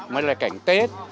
mới là cảnh tết